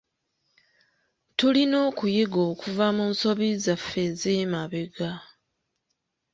Tulina okuyiga okuva mu nsobi zaffe ez'emabega